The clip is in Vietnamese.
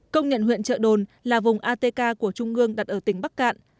công nhận huyện trợ đồn là vùng atk của trung ương đặt ở tỉnh bắc cạn